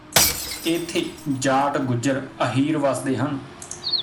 ਏਥੇ ਜਾਟ ਗੁੱਜਰ ਅਹੀਰ ਵੱਸਦੇ ਹਨ